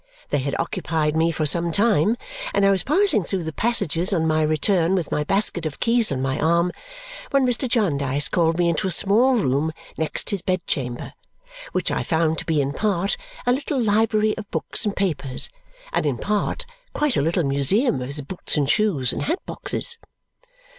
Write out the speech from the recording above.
They had occupied me for some time, and I was passing through the passages on my return with my basket of keys on my arm when Mr. Jarndyce called me into a small room next his bed chamber, which I found to be in part a little library of books and papers and in part quite a little museum of his boots and shoes and hat boxes.